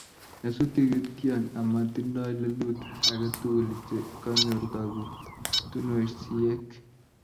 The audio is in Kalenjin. Nyasutik ki tiony ama tindoi lelut age tugul che kanyor kakutunosiek